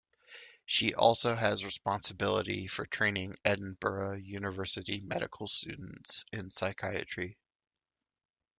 She also has responsibility for training Edinburgh University medical students in psychiatry.